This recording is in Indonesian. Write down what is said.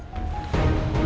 takutnya dikasih racun lagi